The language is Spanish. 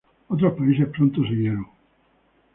Otros países pronto siguieron.